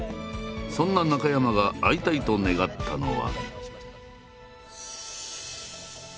そんな中山が会いたいと願ったのは。